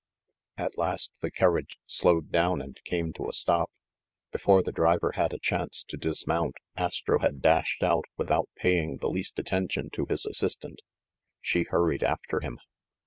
At last the carriage slowed down and came to a stop. Before the driver had a chance to dismount, Astro had dashed out without paying the least attention to his assistant. She hurried after him.